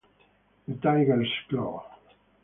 The Tiger's Claw